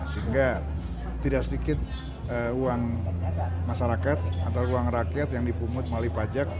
sehingga tidak sedikit uang masyarakat antara uang rakyat yang dipungut melalui pajak